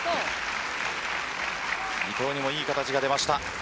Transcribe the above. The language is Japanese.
伊藤にもいい形が出ました。